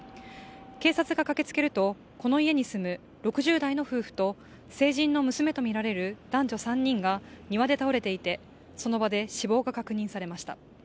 警察が駆けつけるとこの家に住む６０代の夫婦と成人の娘とみられる男女３人が庭で倒れていてその場で死亡が確認されました。